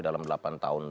dalam delapan tahun